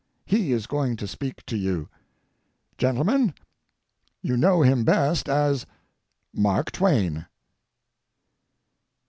He is going to speak to you. Gentlemen, you know him best as Mark Twain."